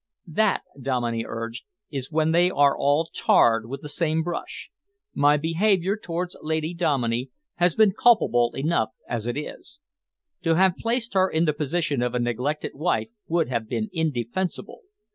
"That," Dominey urged, "is when they are all tarred with the same brush. My behaviour towards Lady Dominey has been culpable enough as it is. To have placed her in the position of a neglected wife would have been indefensible.